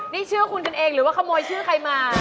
นี่ชื่อคุณกันเองหรือว่าขโมยชื่อใครมา